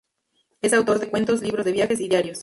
Es autor de cuentos, libros de viajes y diarios.